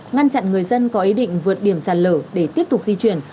ngăn chặn người dân có ý định vượt điểm sạt lở để tiếp tục di chuyển